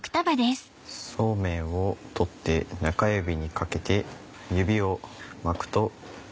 そうめんを取って中指に掛けて指を巻くと。